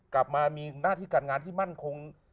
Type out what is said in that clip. กลับมามีหน้าที่การงานที่มั่นคง